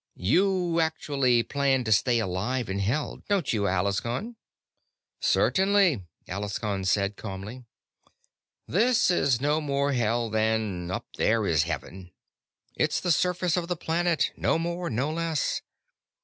"You actually plan to stay alive in Hell, don't you, Alaskon?" "Certainly," Alaskon said calmly. "This is no more Hell than up there is Heaven. It's the surface of the planet, no more, no less.